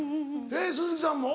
えっ鈴木さんも？